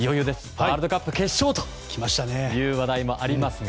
ワールドカップ決勝という話題もありますが。